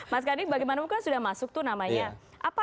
mas kandi bagaimanapun kan sudah masuk tuh namanya